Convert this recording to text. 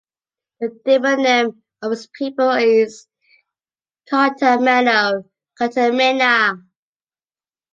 The demonym of its people is Cartameno, Cartamena.